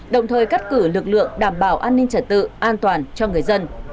đồng thời cắt cử lực lượng đảm bảo an ninh trật tự an toàn cho người dân